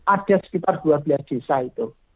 ada sekitar dua belas desa itu